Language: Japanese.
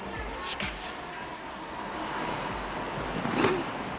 しかし。